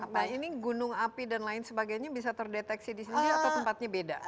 nah ini gunung api dan lain sebagainya bisa terdeteksi di sini atau tempatnya beda